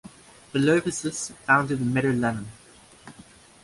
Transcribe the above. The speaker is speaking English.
Bellovesus founded Mediolanum.